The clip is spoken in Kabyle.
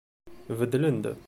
Beddlen-d.